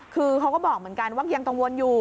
คือเขาก็บอกเหมือนกันว่ายังกังวลอยู่